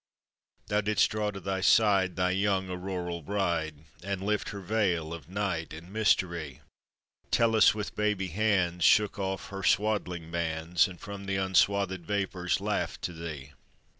Thou didst draw to thy side Thy young Auroral bride, And lift her veil of night and mystery; Tellus with baby hands Shook off her swaddling bands, And from the unswathèd vapours laughed to thee.